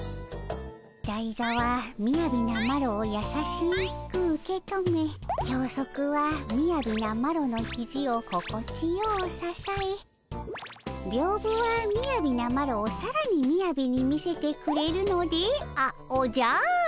だいざはみやびなマロをやさしく受け止めきょうそくはみやびなマロのひじを心地ようささえびょうぶはみやびなマロをさらにみやびに見せてくれるのであおじゃる。